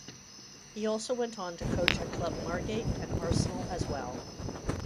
He also went on to coach at club Margate and Arsenal as well.